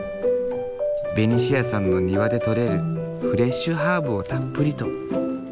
ベニシアさんの庭で採れるフレッシュハーブをたっぷりと。